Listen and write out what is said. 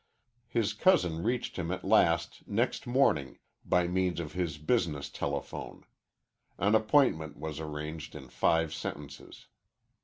His cousin reached him at last next morning by means of his business telephone. An appointment was arranged in five sentences.